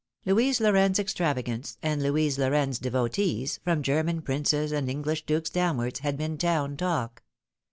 Louise Lorraine's extravagance, and Louise Lorraine's devotees, from German princes and English dukes downwards, had been town talk.